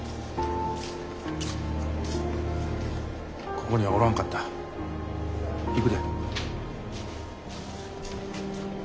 ここにはおらんかった。行くで。